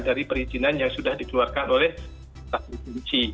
dari perizinan yang sudah dikeluarkan oleh tni